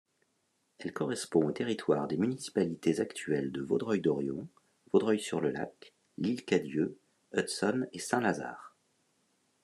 Elle correspond aux territoires des municipalités actuelles de Vaudreuil-Dorion, Vaudreuil-sur-le-Lac, L'Île-Cadieux, Hudson et Saint-Lazare.